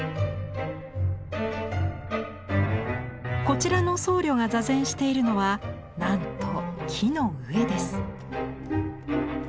こちらの僧侶が坐禅しているのはなんと木の上です。